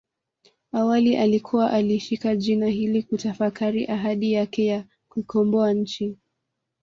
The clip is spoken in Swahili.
Awali alikuwa alishika jina hili kutafakari ahadi yake ya kuikomboa nchi